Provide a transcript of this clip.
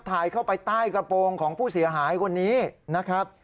ถ่ายเข้าไปใต้กระโปรงของผู้เสียหายคนนี้นะครับ